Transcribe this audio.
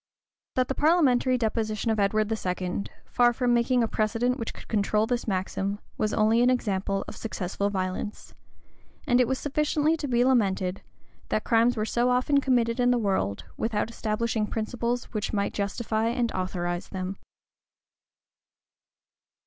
That the parliamentary deposition of Edward II., far from making a precedent which could control this maxim, was only an example of successful violence; and it was sufficiently to be lamented, that crimes were so often committed in the world, without establishing principles which might justify and authorize them.